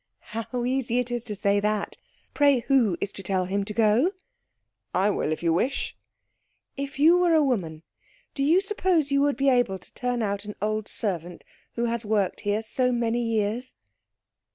"How easy it is to say that! Pray, who is to tell him to go?" "I will, if you wish." "If you were a woman, do you suppose you would be able to turn out an old servant who has worked here so many years?"